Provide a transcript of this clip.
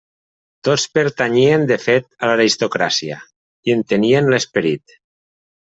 Tots pertanyien de fet a l'aristocràcia, i en tenien l'esperit.